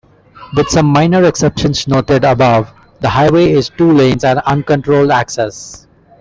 With some minor exceptions noted above, the highway is two lanes and uncontrolled access.